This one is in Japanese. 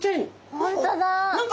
本当だ。